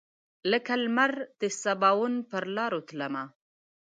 لکه لمر دسباوون پر لاروتلمه